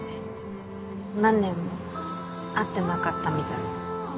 何年も会ってなかったみたい。